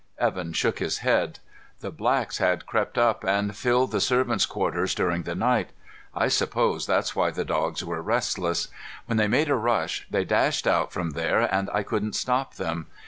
Evan shook his head. "The blacks had crept up to and filled the servants' quarters during the night. I suppose that's why the dogs were restless. When they made a rush, they dashed out from there and I couldn't stop them.